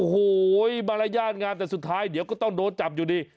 โอ้โหมารยาทงานแต่สุดท้ายเดี๋ยวก็ต้องโดนจับอยู่ดี